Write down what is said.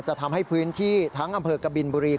จะทำให้พื้นที่ทั้งอำเภอกบินบุรี